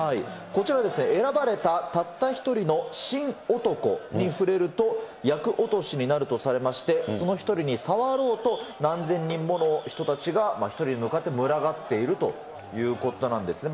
こちらは選ばれたたった１人の神男に触れると、厄落としになるとされまして、その１人に触ろうと何千人もの人たちが１人へ向かって群がっているということなんですね。